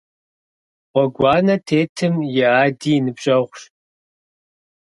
Гъуэгуанэ тетым и ади и ныбжьэгъущ.